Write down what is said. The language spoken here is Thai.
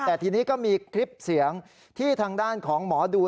แต่ทีนี้ก็มีคลิปเสียงที่ทางด้านของหมอดู